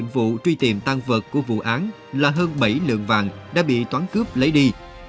vụ truy tìm tăng vật của vụ án là hơn bảy lượng vàng đã bị toán cướp lấy đi